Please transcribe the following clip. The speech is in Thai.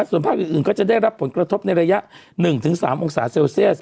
ส่วนภาคอื่นก็จะได้รับผลกระทบในระยะ๑๓องศาเซลเซียส